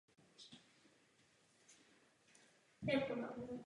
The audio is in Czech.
Existují však i skladby pro dva klavíry.